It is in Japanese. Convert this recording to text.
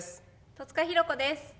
戸塚寛子です。